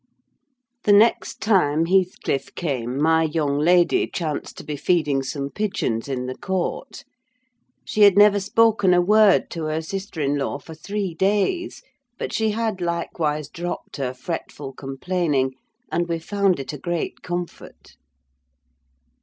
The next time Heathcliff came my young lady chanced to be feeding some pigeons in the court. She had never spoken a word to her sister in law for three days; but she had likewise dropped her fretful complaining, and we found it a great comfort.